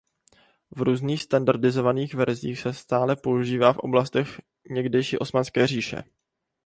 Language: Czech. V různých standardizovaných verzích se stále používá v oblastech někdejší Osmanské říše.